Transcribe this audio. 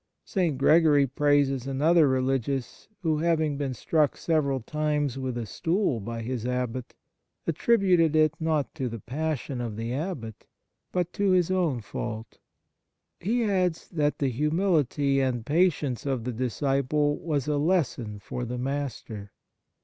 St. Gregory praises another religious, who, having been struck several times with a stool by his abbot, attributed it not to the passion of the abbot, but to his own fault. He adds that the humility and patience of the disciple was a lesson for the master.